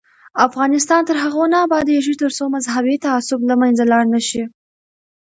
افغانستان تر هغو نه ابادیږي، ترڅو مذهبي تعصب له منځه لاړ نشي.